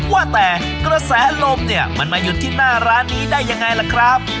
ว่าแต่กระแสลมเนี่ยมันมาหยุดที่หน้าร้านนี้ได้ยังไงล่ะครับ